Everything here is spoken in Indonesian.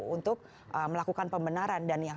untuk melakukan pembenaran dan yang